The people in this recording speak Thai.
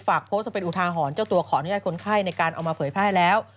ฝากโพสต์วันนั้นเป็นอุทาหอนเจ้าตัวขออนุญาตคนไข้ในการเอามาเผยแพ้แล้ว